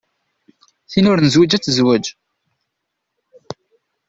Tin ur nezwij ad tezwej.